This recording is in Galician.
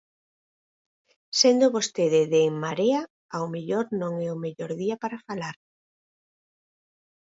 Sendo vostede de En Marea, ao mellor non é o mellor día para falar.